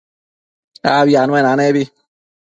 Abi anuenanebi